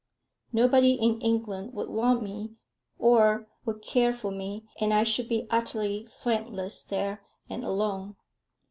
Nobody in England would want me or would care for me, and I should be utterly friendless there, and alone.